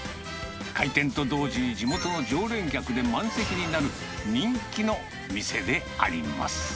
開店と同時に地元の常連客で満席になる人気の店であります。